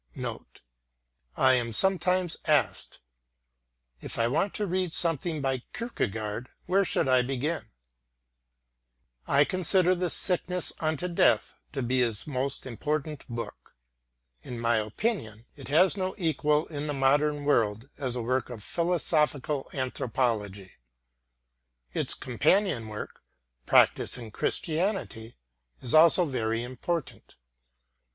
Note: I am sometimes asked: "If I want to read something by Kierkegaard, where should I begin?" I consider The Sickness Unto Death to be his most important book. In my opinion, it has no equal in the modern world as a work of philosophical anthropology. Its companion work, Practice in Christianity, is also very important.